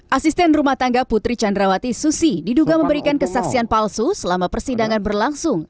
asisten rumah tangga putri candrawati susi diduga memberikan kesaksian palsu selama persidangan berlangsung